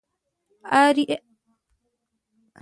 آیا ښارونه ویران نه شول؟